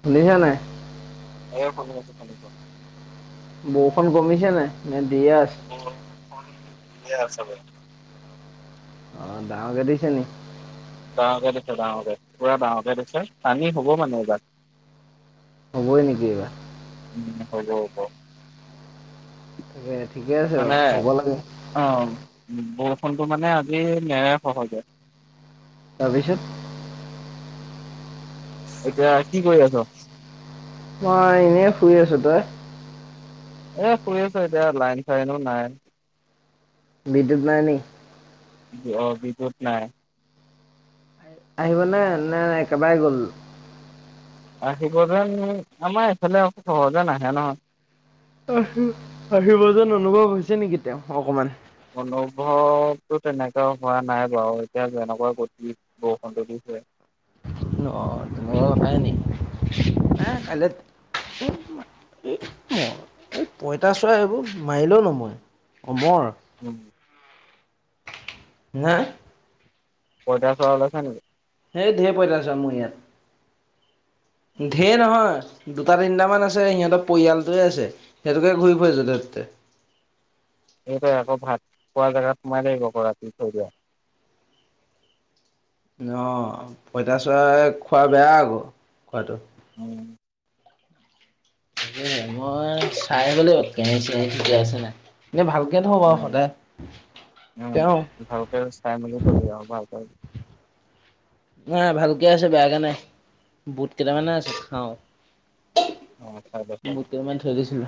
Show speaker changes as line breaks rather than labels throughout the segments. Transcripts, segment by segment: শুনিছা নে?
এই শুনি আছো শুনিছো
বৰষুন কমিছে নাই? দিয়ে আছে।
উম ঠিকে আছে বাৰু
অ ডাঙৰ কে দিছে নি?
ডাঙৰকে দিছে ডাঙৰকে পুৰা ডাঙৰকে দিছে পানী হ'ব মানে এইবাৰ।
হ'বই নেকিবাৰ
উম হব হ
তাকে ঠিকে আছে
মানে
বাৰু হ'ব লাগে
অ বৰষুণটো মানে আজি নেৰা সহজে
তাৰ পিছত
এতিয়া কি কৰি আছ?
মই এনেই ফুৰি আছো তই
এ শুই আছো এতিয়া লাইন চাইনো নাই।
বিদ্যুত নাই নি?
অ বিদ্যুত নাই।
আহিব নে নাই একেবাৰে গল
আহিব যেন আমাৰ এইফালে খহ যে নাহে নহয়।
আহিব যে অনুভৱ হৈছে নেকি তেওঁ অকমান।
অনুভৱতটো তেনেকা হোৱা নাই বাও এতিয়া যেনেকুৱা গতিত বৰষুণ [unintelligible]
ন হয় ন হ কাইলৈ। [unintelligible]
উম
অ এই পঁইতাচৰা এইবোৰ মাৰিলেও ন মই অমৰ।
উম।
নেহ।
পইতাচোৰা উলাইছে নেকি।
সেই ঢেই পইতাচোৰা মোৰ ইয়াত। ঢেই নহয়। দুটা তিনিটামান আছে সিহঁতৰ পৰিয়ালটোৱে আছে সিহঁতোকে ঘূৰি ফুৰিছোঁ ততে।
সট আকৌ ভাত খোৱা জাৰাত মাই ল আহিব আকৌ ৰাতি থৈ দিয়া।
অ পঁইতাচোৰা খোৱা বেয়া আকৌ খোৱাতটো।
উম।
মই চাই বল কেনে চেয়াহিতকি আছে নাই। এ ভালকে থও বাও
উম,
সদায়।
উম
তেওঁ
ভালকে চাই মেলি থবি আৰু ভালক।
অ ভালকে আছে বেয়াকে নাই বুট কেইটামানে আছে খাও।
অ', চাই দে চাই
মোট
দে
কেইান থৈ দিছিলো।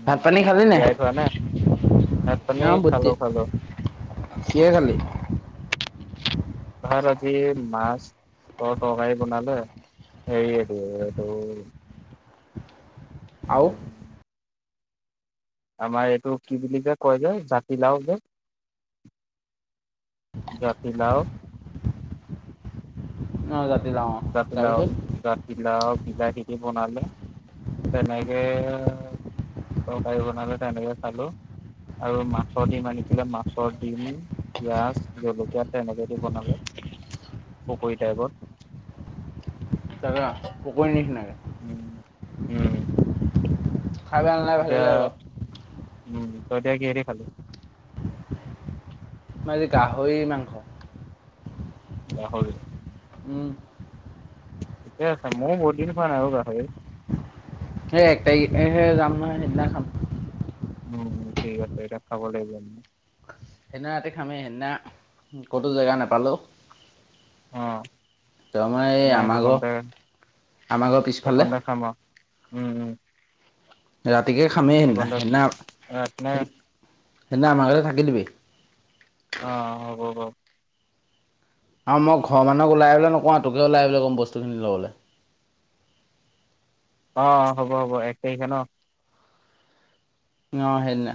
উম।
ভাত পানী খালি নে।
তিয়াই থোৱা ভাত পানী খালো খালো।
কিহে খালি।
ভাৰ আজি মাছ ত তৰকাৰী বনালে। সেৰি এটো এটো।
আৰু?
উম। আমাৰ এইটো কি বুলি যে কয় যে জাতিলাও যে। জাতি লাও।
অ যা।
জাতিলাও জাতিলাও বিলাহি দি বনালে তেনেকে। অ তকাৰী বনালে তেনেকে খালো। আৰু মাছৰ দিম আনিছিলে মাছৰ ডডম পিয়াজ জলকীয়া তেনেকে দি বনালে। পুখুৰীতাইগত।
দাদা উপৰি নিচি নাই।
উম উম।
খাই বেয়া নালাগে ভালে
এতিয়া
লাগে বাৰু
উম ত' এতিয়া কি হেদি খালি?
আজি গাহৰিৰ মাংস।
গাহৰি।
উম।
ঠিকে আছে মইও বহুতদিন খোৱা নাই আও গাহৰি।
সেই এক তাৰিখ সে যাম নহয় সেইদিনা খাম।
উম, ঠিক আছে এতিয়া খাব লাগিব আমি।
সেইদিনা ৰাতি খামেই সেইদিনা ক'তো জেগা নাপালোঁ
অহ
এই
আমাই
আমাৰ ঘৰ
সেইকনতে-
আমাৰ ঘৰৰ পিছফালে
সেইকনতে খাম আও। উম -উম।
ৰাতিকে খামেই সেদনা-
সেইকণতে
সেদনা
ৰাতিলে
সেইদিনা আমাৰ ঘতে থাকি দিবি।
অহ, হ'ব- হ'ব।
আৰু মই ঘৰ মানুহক ওলাই আহিবলৈ নকওঁ আৰু তোকেও ওলাই আহিবলে ক'ম বস্তুখিনি ল'বলে।
অহ, হ'ব -হ'ব এক তাৰিখে ন'?
অহ, সেইদিনা।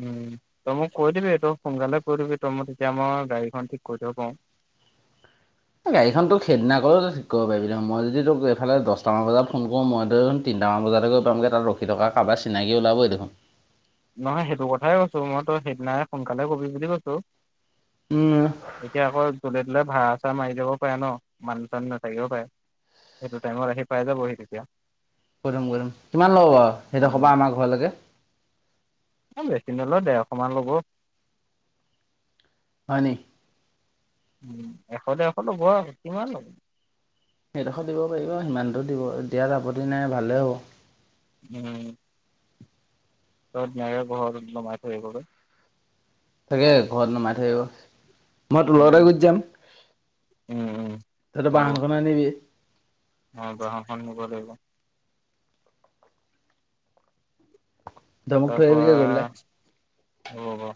উম, তই মোক কৈ দিবি তই সোনকালে কৈ দিবি তই মই তেতিয়া আমাৰ গাড়ীখন ঠিক কৰি থব পাৰো। [inaudible]
এই গাড়ীখন তোক সেইদিনা গৈও ঠিক কৰিব পাৰিবি দেখুন মই যদি তোক এইফালে দচটামান বজাত ফোন কৰো মই [unintelligible] ডাঙৰ বজাতে গৈ পামগৈ তাত ৰখি থকা কবাই চিনাকি ওলাবই দেখোন।
নহয় সেইটো কথাই কৈছো মইতো সেইদিনাই সোনকালে কবি বুলি কৈছো। এতিয়া আকৌ গলে বোলে ভাড়া - চাড়া মাৰি যাবও পাৰে ন' মানুহ চানুহ নাথাকিবও পাৰে। সেইটো টাইমত আহি পাই যাবহি তেতিয়া।
কৈ থম - কৈ থম কিমান ল'ব বাৰু সেইটো কবা আমাৰ ঘৰলৈকে।
অহ, বেছি নলয় দেৰশ মান লব।
সই নী?
উম, এশ দেৰশ ল'ব আৰু কিমান ল'ব।
সেইডোখৰ দিব পাৰিবা সিমানটো দিব দিয়াত আপত্তি নাই ভালে হ'ব।
উম। [unintelligible]
তাকে ঘৰত নমাই থৈ আহিব। মই তুলতে
উম,
গুত যাম
উম, উম,
তইতো বাহনখন আনিবি।
অহ, বাহখন নিব লাগিব।
তই মোক থৈ আহিবিগৈ
তাৰপৰা
গৈ পেলাই
ৰব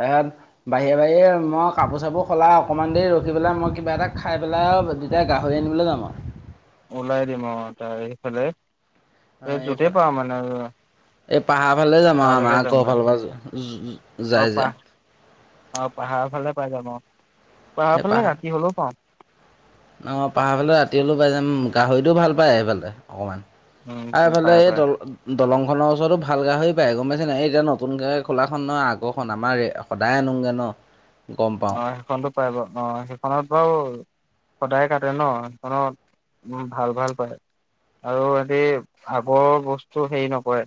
তাৰছত বাহিৰে -বাহিৰে মই কাপোৰ -চাপোৰ সলাই অকমান দেৰি ৰখি পেলাই মই কিবা এটা খাই পেলাই দুইটাই গাহৰি আনিবলৈ যাম আওঁ।
ওলাই দিম অ', এইফালে এই যতেই
এইফালে
পা মানে
এই পাহাৰ ফালে যাম আৰু আমাৰ
তালৈকে যামগৈ
আকৌফালৰ পৰা যায় যে
অহ, পাহাৰ ফালে পাই যাম অহ পাহাৰ ফালে ৰাতি হলেও পাওঁ।
অহ, পাহাৰ ফালে ৰাতি হলেও পাই যাম গাহৰিটোও ভাল পায় সেইফালে অকমান।
উম,
আৰু এইফালে
পাই
এই
পাই
দল -দলং খনৰ ওচৰতো ভাল গাহৰি পায় গম গমাইছে এই এতিয়া নতুনকে খোলা খন নহয় আগৰখন আমাৰ সদায় আনোংগে ন', গম পাওঁ
অহ, সেইখনতো পাই বাৰ অহ সেইখনত বাৰু সদায় কাটে ন'সেইখনত উম ভাল- ভাল পায়। আৰু সিতি আগৰ বস্তু হেৰি নকৰে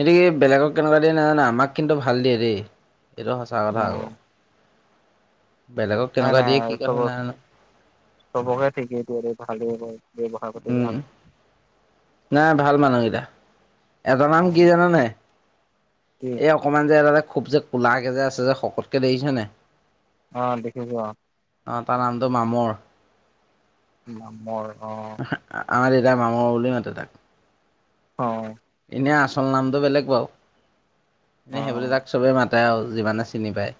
হেতু কি বেলেগক কেনেকুৱা দিয়ে নাজানে আমাক কিন্তু ভাল দিয়ে দেই এইটো সঁচা কথা আকৌ।
উম
বেলেগক
নাই
কেনেকুৱা
নাই
দিয়ে কি কথা
চব
নাজানো
-চবকে ঠিকেই দিয়ে ভাল দিয়ে ব্যৱহাৰ প্ৰতি
উম
ভাল।
নাই ভাল মানুহকেইটা এটা নাম কি জানানেই
কি
এই অকমান যে এটা এটা খুব যে কোলাাকে যে আছে যে শকতকে দেখিছেনেই
অ দেখিছো অ
অ তাৰ নামটো মামৰ
মামৰ
আমাৰ দেউতাৰ মামৰ বুলি মাতে তাক
অহ
এনে আচল নামটো বেলেগ বাৰু
অ
এনেই সেইবুলি তাক চবে মাতে তটাই যিমানে চিনি পায়।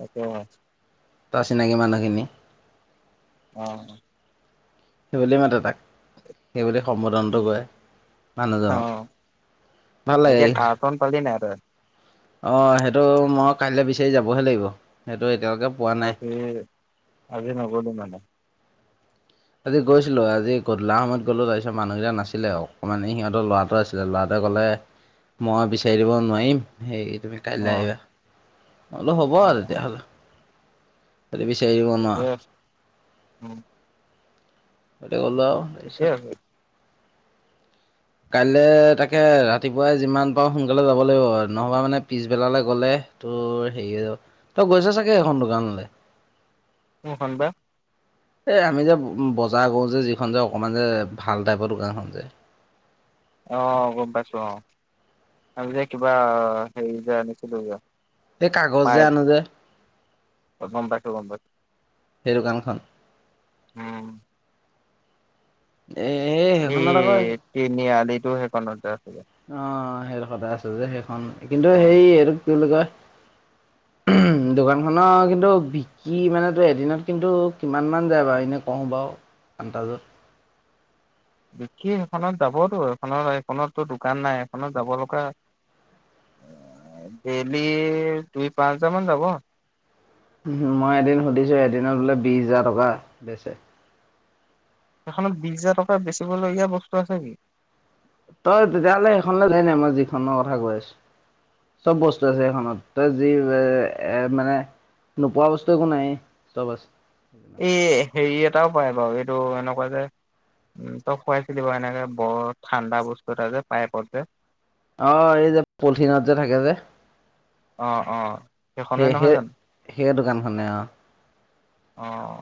অ [unintelligible]
তাৰ চিনাকি মানুহখিনি
অহ
কি বোলি মাতে তাক সেইবুলি সম্বোধনটো
উম
কৰে
অ
মানুহজনক ভাল
এতিয়া
লাগেই।
কাৰ্টন পালি নাই তই
অ সেইটো মই কাইলৈ বিচাৰি যাবহে লাগিব সেইটো। এতিয়ালৈকে পোৱা নাই
আজি আজি নগলি মানে।
আজি গৈছিলো আজি গধলা সমত গলো তাৰপিছত মানুহকেইটা নাছিলে অকণমানে সিহঁত লৰাটো আছিলে ল'ৰাটা। কলে মই বিচাৰি দিব নোৱাৰিম সেই তুমি
অ
কাইলৈ আহিবা। অলপ হ'ব
অ
আৰু
অ
তেতিয়াহ'লে। সেইটো বিছাৰি নোৱা।
ঠিকে আছে উম
গ'ল আৰু
ঠিকে
তাৰপিছত।
আছে
কাইলে তাকে ৰাতিপুৱাই যিমান পাৰওঁ সোনকালে যাব লাগিব নহবা মানে পিছবেলালৈ গলে। তোৰ হেৰিয়ে য তই গৈছ চাগে এখন দোকানলৈ।
কোনখন বা।
এই আমি যে বজাৰ কৰো যে যিখন যে অকমান যে ভাল টাইপৰ দোকানখন যে।
আহ গম পাইছো আহ আমি যে কিবা হেৰি য নাছিলো।
এই কাগজ যে আনো যে।
গম পাইছো গম পাইছোঁ।
সেই দোকানখন।
উম।
এ
এই
সেইখনত আকৌ
তিনিআলিতটো সেইখনত তাত।
অ সেইটো সদায় আছে যে সেইখন কিন্তু
অ
সেই এইটো কি বুলি কয়।
[unintelligible]
দোকান খনৰ কিন্তু বিকি মানে তো এদিনত কিন্তু কিমান মান যায় বাৰু এনে কওঁ বাও। আনদাজত।
দেখি সেইখনত যাবতো সখননৰ এইখনততো দোকান নাই এখনত যাব লগা। ডেইলি দুই পাঁচ হাজাৰ মান যাব।
উ মই এদিন সুধিছো এদিনত বোলে বিশ হোজাৰ টকা বেচ।
এখনত বিশ হাজাৰ টকা বেচিবলগীয়া বস্তু আছে নেকি।
তই তেতিয়াহ'লে সেইখন যায় ন মই যিখনৰ কথা কৈ আছো। চব বস্তু আছে সখনত তই যি এ এ মানে। নোপোৱা বস্তু একো নাই চব আছে।
এই হেৰি এটাও পায় বাৰু এইটো এনেকুৱা যে। উম তই খুৱাইছিলি বাও এনেকে বৰ ঠাণ্ডা বস্তু এটা যে পাইপত যে।
অহ এই যে পলথিন যে থাকে যে।
অ অ সেইখনে
সেই
নহয়
সেই
জানো
সেই দোকানখনে আও।
অহ।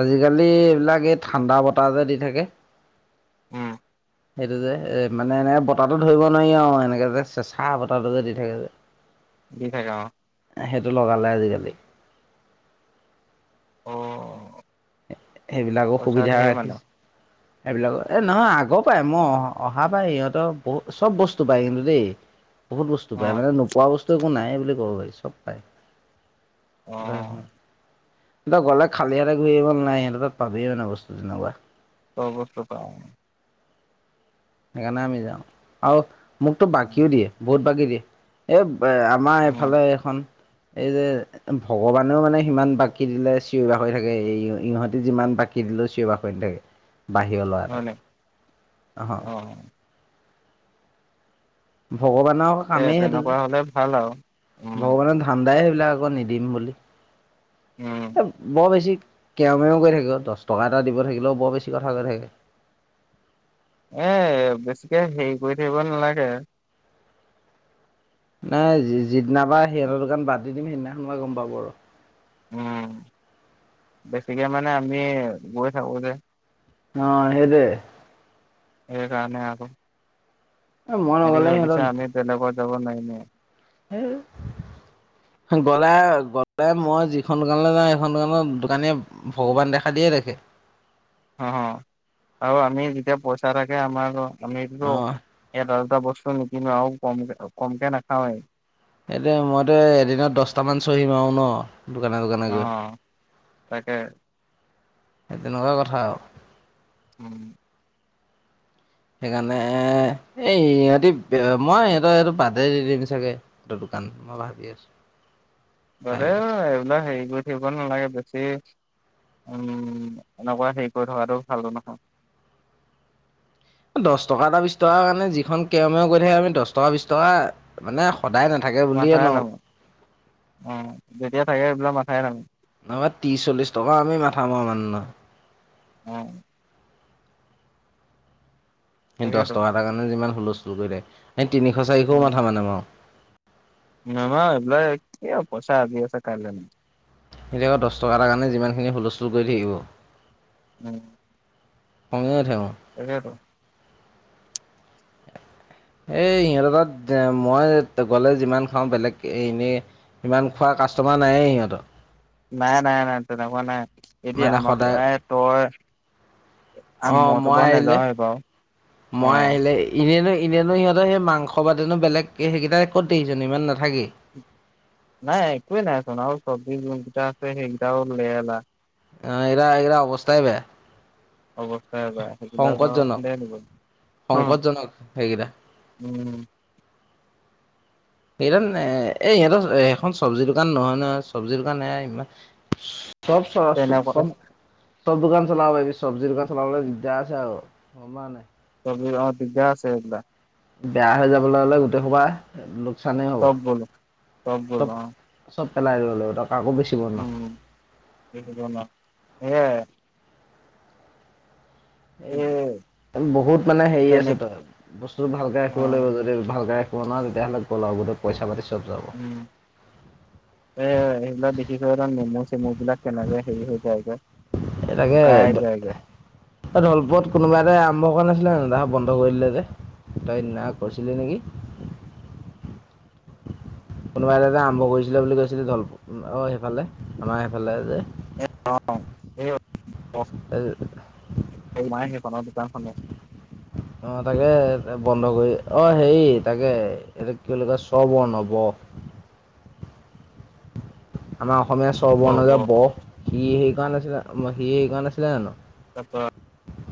আজিকালি এইবিলাক এই ঠাণ্ডা বতাহ যে দি থাকে।
উম
সেইটো যে এ মানে এনেকে বতাহটো ধৰিব নোৱাৰি আৰু এনেকে যে চেচা বতাহটো যে দি থাকে যে।
দি থাকে অ।
সেইটো লগালে আজিকালি।
অ।
সেইবিলাকো
পইচা
সুবিধা
ধেৰ মানে
ৰাখিছে। এইবিলাক এ নহয় আগৰ পাই মই অ অহা পাই সিহঁতৰ বহুত চব বস্তু পায় কিন্তু দেই। বহুত বস্তু
অ
পায় মানে নোপোৱা বস্তু একো নাই বুলি ক'ব পাৰি চব পায়।
অহ।
তই গ'লে খালিহতে ঘূৰি আহিব নালাগে সিহঁতৰ তাত পাবিয়েই মানে বস্তু তেনেকুৱা।
চব বস্তু পায়।
সেইকাৰণে আমি যাওঁ আৰু মোকতো বাকীও দিয়ে বহুত বাকী দিয়ে এ। আমাৰ
উম
এইফালে এখন। এই যে ভগৱানেও মানে সিমান বাকী দিলে চিঞৰি বাখৰি থাকে এই ইহঁতে যিমান বাকি। চিঞৰি বাখই নাথাকে বাহিৰ ল'ৰা
হয় নে?
এটাক অ। ভগৱানৰ
তাকে
কামেই সেইটো যে
তেনেকুৱা হ'লে ভাল আৰু। উম,
ভগৱানৰ ধান্দাই। বিলাক আক নিদিম বুলি
উম,
বৰ বেছি। কেউ মেও কৈ থাকিব দহ টকা এটা দিব থাকিলেও বৰ বেছি কথা কৈ থাকে
এ বেছিকে হেৰি কৰি থাকিব নালাগে
নাই যিদিনা পা সিহঁতৰ দোকান বাদ দি দিম সেইদিনাখন পাই গম পাব আৰু
উম বেছিকে মানে আমি গৈ থাকো যে
অ সেই টোয়ে
এই কাৰণে আকৌ
এ মই
হেঁতি
নগ'লে
ভাবিছা আমি বেলেগত যাব নোৱাৰিমে
হেই
[inaudible]
গ'লে গ'লে মই যিখন দোকানলৈ যাওঁ সেইখন দোকানৰ দোকানীয়ে ভগৱান দেখা দিয়ে দেখে
[inaudible] অ আৰু আমি যেতিয়া পইচা থাকে আমাৰ আমি
অ',
বস্তু নিকিনো আৰু কম কমকে নাখাওৱেই
সটো মইতো এদিনত দহটামান চহি মাৰো ন দোকানে দোকানে গৈ।
আহ তাকে
সেই তেনেকুৱা কথা আও
উম
সেইকাৰণে এ এই সিহঁতি মই সিহঁতৰ সেতু বাদে দি দিম চাগে মই ভাবি আছো
অ এইবিলাক হেৰি কৰি থাকিব নালাগে বেছি উম এনেকুৱা হেৰি কৰি থকাটো ভাল নহয়
দহ টকা এটা বিশ টকা কাৰণে যিখন কেও মেও কৰি থাকে আমি দহ টকা বিশ টকা মানে সদায় নাথাকে বুলিয়ে
মাথায়ে
নওক
নামাৰো অ যেতিয়া থাকে সেইবিলাক মাথায়ে নামাৰো
নাইবা ত্ৰিশ চল্লিশ টকা আমি মাথা মাৰা মানুহ নহয়
উম
সেই দহ
তাকেতো
টকা এতাৰ কাৰণে যিমান হুলস্থুল কৰি থাকে সেই তিনিশ চাৰিশও মাথা নেমাৰো
নেমাৰো এইবিলাক পইচা আজি আছে কাইলৈ নাই
হেতি আকৌ দহ টকা এটাৰ কাৰণে যিমানখিনি হুলস্থুল কৰি থাকিব
উম
খঙে উঠে মোৰ
তাকেটো
এই সিহঁতৰ তাত মই গ'লে যিমান খাওঁ বেলেগ এনেই সিমান খোৱাৰ কাষ্টমাৰ নায়েই সিহঁতৰ
নাই নাই নাই তেনেকুৱা নাই এতিয়া আমাৰ পৰাই তই
অ
মইতো
মই
বাৰু
আহিলে
নাযাওঁৱেই বাৰু
মই
অঁ
আহিলে এনে ন এনেনো সিহঁতৰ সেই মাংস বাদেনো বেলেগ সেইকেইটা ক'ত দেখিছ ইমান নাথাকেই
নাই একোৱেই নাইচোন আৰু চব্জি যেইটা আছে সেইকেইটাও লেৰালা [unintelligible]
অ এৰা এৰা অৱস্থাই বেয়া [unintelligible]
অৱস্থা বা সেইবিলাক আৰু
সংকটজনক
সোধাই নিব [unintelligible]
সংকটজনক সেইকেইটা
উম
সেই এ ইহঁতৰ সেইখন চব্জিৰ দোকান নহয় নহয় চব্জিৰ দোকান এয়া ইমান [unintelligible] চচ
তেনেকুৱা
শুভম [unintelligible] চব দোকান চলাপাইবি চব্জিৰ দোকান চলাবলে দিগদাৰ আছে আৰু সম নাই [unintelligible]
অ দিগদা আছে সেইবিলাক [unintelligible]
বেয়া হৈ যাবলৈ হলে গোটেই সোপা লোকচানেই হ'ব
চব গল চব গল অ [unintelligible]
চব পেলাই ল'লোক [unintelligible]
উম [unintelligible] সেইয়াই
এই বহুত মানে হেৰি
তেনে
আছে তই বস্তু ভালকে ৰাখিব
অঁ
লাগিব যদি ভালকে ৰাখিব নোৱাৰ তেতিয়াহলে লগত পইছক পাতি। চব যাব
উম এ এইবিলাক দে। [unintelligible] কি ক ত মেমু চেমু বিলাক কেনেকে হেৰি হৈ যায়গে শুকাই যায়গে।
লপত কোনোবা এতাই আৰম্ভ কৰা নাছিলে জানো বন্ধ কৰি দিলে যে। [unintelligible] তইদিনা কৰিছিলি নেকি। [unintelligible]
[inaudible]
কোনোবা এটা আৰম্ভ কৰিছিলে বুলি কৈছিলি ধল [unintelligible] অ সেইফালে আমাৰ সেইফালে যে।
সেই অ
যে
মোমাইক সে [unintelligible] অ দোকানখনে। [unintelligible]
অ তাকে বন্ধ কৰি অ হেৰি তাকে এ কি বুলি কয় চব বন হব।
[inaudible]
আমাৰ অসমীয়া স্বৰবৰ্ণ যে ব সি সেইকাৰণে আছিলে সি সেইকাৰণে আছিলে জানো। [unintelligible]
তাপা।